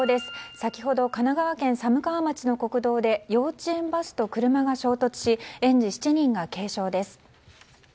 先ほど神奈川県寒川町の国道で幼稚園バスと車が衝突し園児７人が軽傷です。